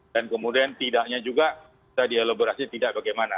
dan kemudian tidaknya juga bisa dielaborasi tidak bagaimana